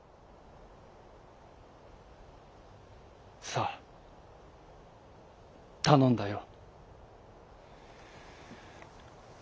「さあたのんだよ」。